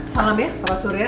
salam ya bapak surya